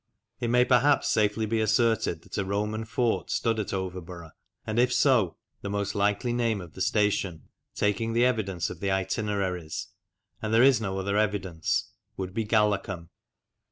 It may perhaps safely be asserted that a Roman fort stood at Overborough, and if so the most likely name of the station, taking the evidence of the Itineraries and there is no other evidence would be Galacum.